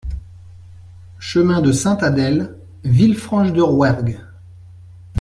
Chemin de Sainte-Adèle, Villefranche-de-Rouergue